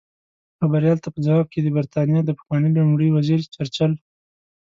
خبریال ته په ځواب کې د بریتانیا د پخواني لومړي وزیر چرچل